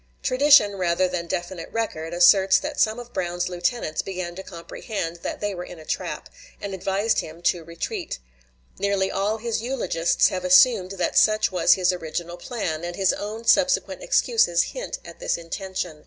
Tradition rather than definite record asserts that some of Brown's lieutenants began to comprehend that they were in a trap, and advised him to retreat. Nearly all his eulogists have assumed that such was his original plan, and his own subsequent excuses hint at this intention.